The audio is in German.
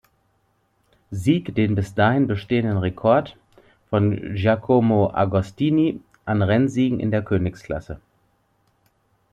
Sieg den bis dahin bestehen Rekord von Giacomo Agostini an Rennsiegen in der "Königsklasse".